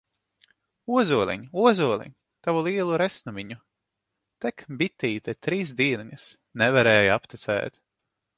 Ozoliņ, ozoliņ, Tavu lielu resnumiņu! Tek bitīte trīs dieniņas, Nevarēja aptecēt!